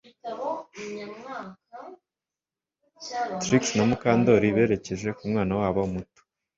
Trix na Mukandoli berekeje ku mwana wabo muto